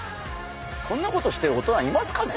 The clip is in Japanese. こんなことしてる大人いますかね？